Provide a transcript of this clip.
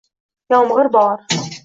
Yomg’ir bor